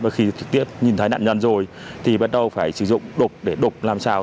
và khi trực tiếp nhìn thấy nạn nhân rồi thì bắt đầu phải sử dụng đục để đục làm sao